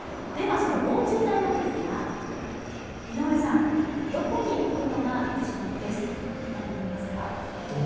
防虫剤なんですが、どこに置くのが一番ベストだと思いますか。